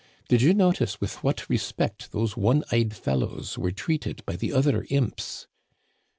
Did you notice with what respect those one eyed fellows were treated by the other imps